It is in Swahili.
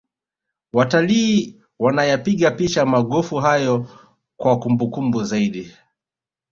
watalii wanayapiga picha magofu hayo kwa kumbukumbu zaidi